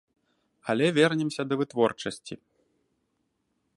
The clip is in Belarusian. Але вернемся да вытворчасці.